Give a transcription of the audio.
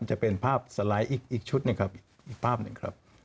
จะเป็นภาพสไลด์อีกชุดหนึ่งครับอีกภาพหนึ่งครับ